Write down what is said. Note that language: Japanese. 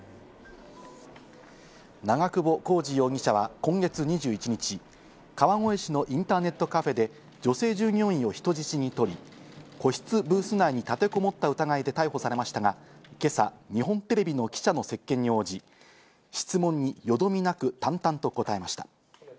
長久保浩二容疑者は今月２１日、川越市のインターネットカフェで女性従業員を人質にとり、個室ブース内に立てこもった疑いで逮捕されましたが、今朝、日本テレビの記者の接見に応じ、質問によどみなく淡々と答えました。